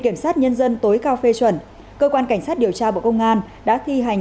kiểm sát nhân dân tối cao phê chuẩn cơ quan cảnh sát điều tra bộ công an đã thi hành